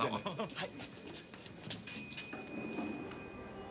はい。